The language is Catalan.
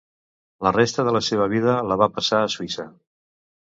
La resta de la seva vida la va passar a Suïssa.